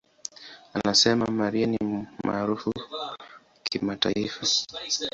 Anasema, "Mariah ni maarufu kimataifa.